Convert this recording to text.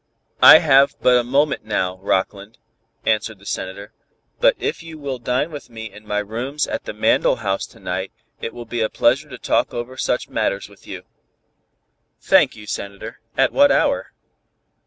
"I have but a moment now, Rockland," answered the Senator, "but if you will dine with me in my rooms at the Mandell House to night it will be a pleasure to talk over such matters with you." "Thank you, Senator, at what hour?"